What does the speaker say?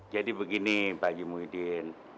jadi begini pak hidin